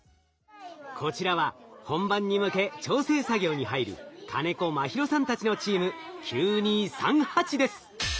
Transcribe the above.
こちらは本番に向け調整作業に入る金子茉尋さんたちのチーム「９２３８」です。